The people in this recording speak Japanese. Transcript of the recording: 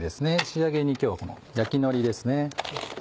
仕上げに今日はこの焼きのりです。